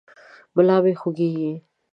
ملا مې خوږېږي.